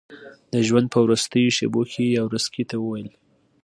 د ژوند په وروستیو شېبو کې یاورسکي ته وویل.